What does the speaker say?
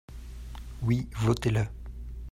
Oui, votez-le